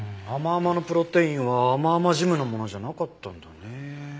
甘々のプロテインは甘々ジムのものじゃなかったんだね。